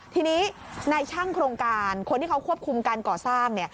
ทีนี้ในช่างโครงการคนที่เขาควบคุมการก่อสร้าง